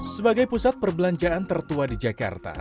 sebagai pusat perbelanjaan tertua di jakarta